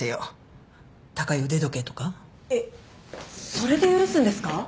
それで許すんですか？